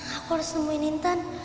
aku harus nemuin ibtan